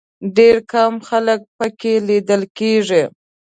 ډېر کم خلک په کې لیدل کېږي.